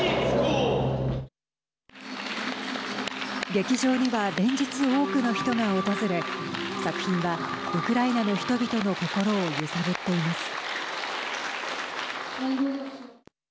劇場には連日、多くの人が訪れ作品はウクライナの人々の心を揺さぶっています。